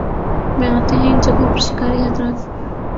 میں آتے ہیں ان جگہوں پر شکاری حضرات